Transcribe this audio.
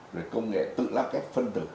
rồi công nghệ tự lắp kết phân tử